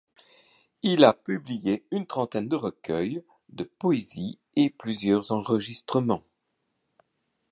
Il a publié une trentaine de recueils de poésie et plusieurs enregistrements.